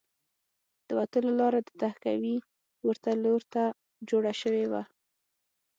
د وتلو لاره د تهکوي پورته لور ته جوړه شوې وه